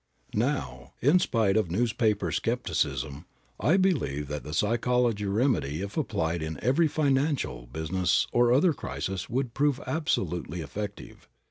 Now, in spite of newspaper skepticism, I believe that the psychology remedy if applied in every financial, business, or other crisis would prove absolutely effective.